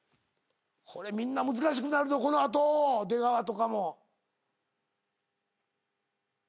これみんな難しくなるぞこの後出川とかも。